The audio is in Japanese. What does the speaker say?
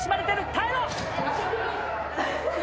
耐えろ！